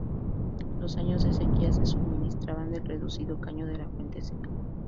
Los años de sequía se suministraban del reducido caño de la Fuente Seca.